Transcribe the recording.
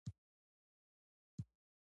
دریمه برخه ټولنیز او بشري مضامین دي.